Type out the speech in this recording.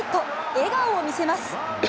笑顔を見せます。